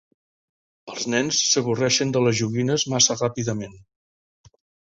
Els nens s'avorreixen de les joguines massa ràpidament.